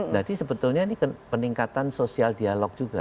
jadi sebetulnya ini peningkatan sosial dialog juga